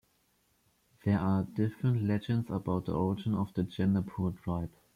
There are different legends about the origin of the Gandapur tribe.